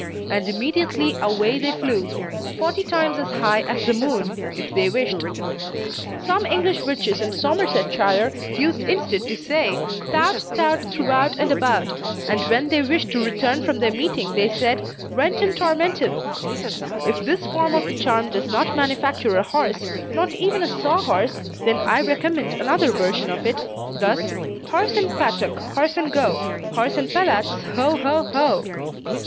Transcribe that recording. and immediately away they flew, "forty times as high as the moon," if they wished. Some English witches in Somersetshire used instead to say, "Thout, tout, throughout and about;" and when they wished to return from their meeting they said "Rentum, tormentum!" If this form of the charm does not manufacture a horse, not even a saw horse, then I recommend another version of it, thus: "Horse and pattock, horse and go! Horse and pellats, ho, ho, ho!"